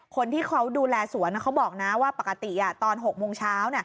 คนที่เขาดูแลสวนเขาบอกนะว่าปกติตอน๖โมงเช้า